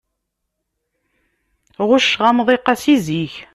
Ɣucceɣ amḍiq-a si zik.